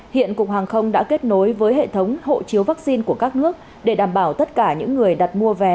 hiện cục hàng không đã kết nối với hệ thống hộ chiếu vaccine của các nước để đảm bảo tất cả những người đặt mua vé